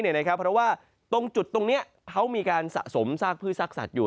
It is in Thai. เพราะว่าตรงจุดตรงนี้เขามีการสะสมซากพืชซากสัตว์อยู่